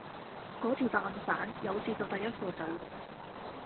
嗰條蛋散，有事就第一個走人